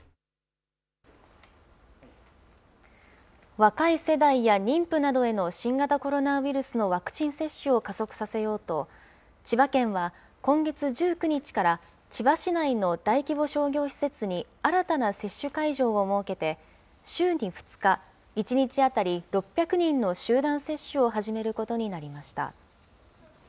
若い世代や妊婦などへの新型コロナウイルスのワクチン接種を加速させようと、千葉県は今月１９日から、千葉市内の大規模商業施設に新たな接種会場を設けて、週に２日、１日当たり６００人の集団接種を始めることになりました。